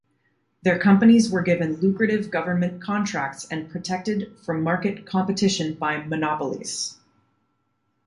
Their companies were given lucrative government contracts and protected from market competition by monopolies.